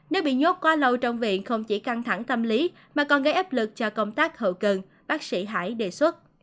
nếu bị nhốt quá lâu trong viện không chỉ căng thẳng tâm lý mà còn gây áp lực cho công tác hậu cần bác sĩ hải đề xuất